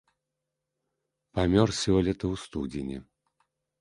Памёр сёлета ў студзені.